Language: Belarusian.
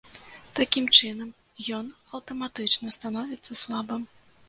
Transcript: Такім чынам, ён аўтаматычна становіцца слабым.